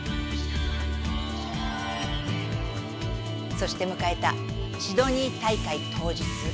そして迎えたシドニー大会当日。